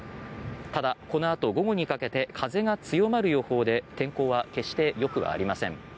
ただ、このあと午後にかけて風が強まる予報で天候は決してよくありません。